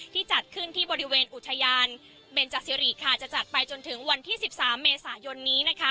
จัดขึ้นที่บริเวณอุทยานเบนจสิริค่ะจะจัดไปจนถึงวันที่๑๓เมษายนนี้นะคะ